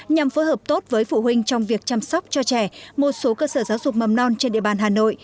nhằm phối hợp tốt với phụ huynh trong việc chăm sóc cho trẻ một số cơ sở giáo dục mầm non trên địa bàn hà nội